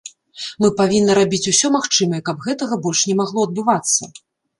Мы павінны рабіць усё магчымае, каб гэтага больш не магло адбывацца.